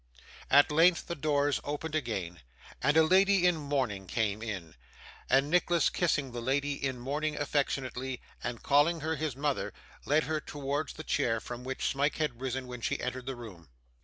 At length the door opened again, and a lady in mourning came in; and Nicholas kissing the lady in mourning affectionately, and calling her his mother, led her towards the chair from which Smike had risen when she entered the room.